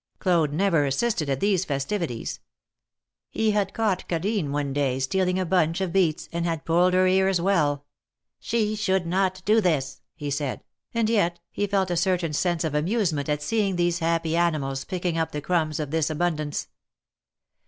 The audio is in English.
Claude never assisted at these festivities. He had caught Cadine one day stealing a bunch of beets, and had pulled her ears well. She should not do this,^^ he said, and yet he felt a certain sense of amusement at seeing these happy animals picking up the crumbs of this abun dance.